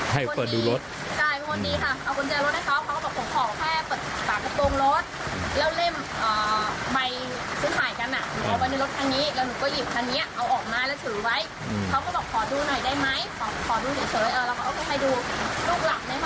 ไปแล้วมากเลยอ่ะบ้านเรามันไม่ได้กล้าทำอ่ะ